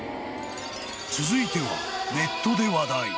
［続いてはネットで話題］